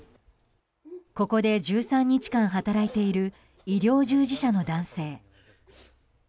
ここで１３日間働いている医療従事者の男性。